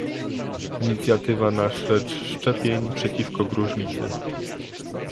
Inicjatywa na rzecz szczepień przeciwko gruźlicy